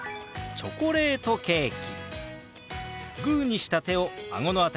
チョコレートケーキ。